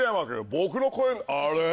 僕の声にあれ⁉